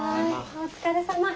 お疲れさま。